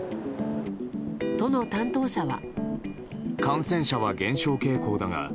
都の担当者は。